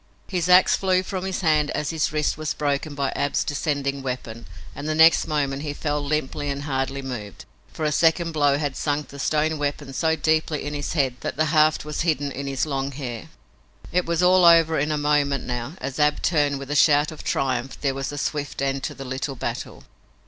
His ax flew from his hand as his wrist was broken by Ab's descending weapon, and the next moment he fell limply and hardly moved, for a second blow had sunk the stone weapon so deeply in his head that the haft was hidden in his long hair. It was all over in a moment now. As Ab turned with a shout of triumph there was a swift end to the little battle.